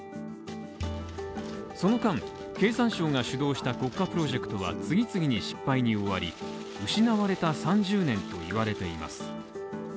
その間、経産省が主導した国家プロジェクトは次々に失敗に終わり、失われた３０年といわれています。